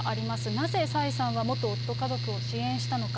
なぜ蔡さんは元夫家族を支援したのか。